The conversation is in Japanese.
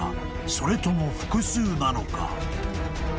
［それとも複数なのか？］